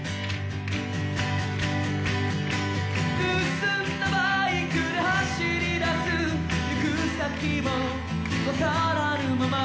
「盗んだバイクで走り出す」「行く先も解らぬまま」